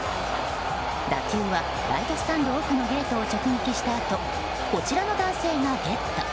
打球はライトスタンド奥のゲートを直撃したあとこちらの男性がゲット。